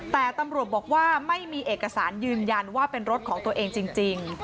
แต่ตำรวจบอกว่าไม่มีเอกสารยืนยันว่าเป็นรถของตัวเองจริง